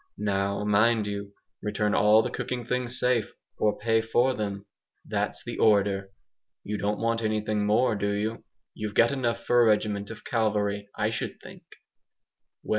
Now, mind you, return all the cooking things safe, or PAY FOR THEM that's the order! You don't want anything more, do you? You've got enough for a regiment of cavalry, I should think."